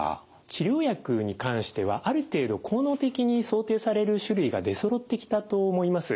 治療薬に関してはある程度効能的に想定される種類が出そろってきたと思います。